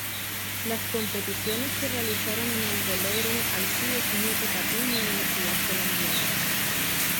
Las competiciones se realizaron en el Velódromo Alcides Nieto Patiño de la ciudad colombiana.